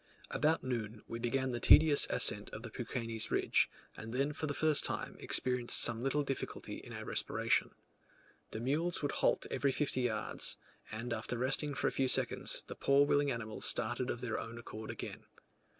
About noon we began the tedious ascent of the Peuquenes ridge, and then for the first time experienced some little difficulty in our respiration. The mules would halt every fifty yards, and after resting for a few seconds the poor willing animals started of their own accord again.